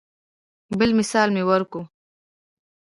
بل مثال مې ورکو.